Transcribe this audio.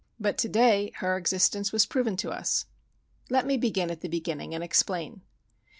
But to day her existence was proven to us. Let me begin at the beginning and explain.